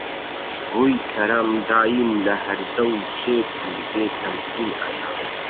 ڕووی کەرەم دایم لە هەرزە و شێت و بێ تەمکین ئەکا